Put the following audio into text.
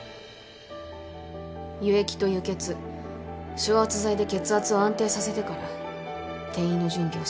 輸液と輸血昇圧剤で血圧を安定させてから転院の準備をします。